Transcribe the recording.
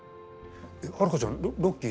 ハルカちゃんロッキー